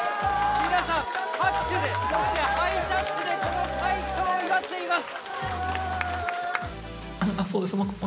皆さん、拍手でそしてハイタッチでこの快挙を祝っています。